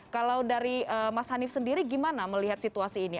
kalau dari mas hanif sendiri gimana melihat situasi ini